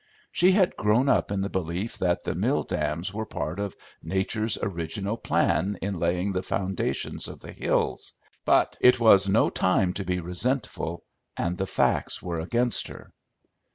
She had grown up in the belief that the mill dams were part of Nature's original plan in laying the foundations of the hills; but it was no time to be resentful, and the facts were against her.